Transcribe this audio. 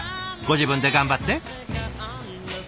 ご自分で頑張って？